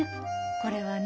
これはね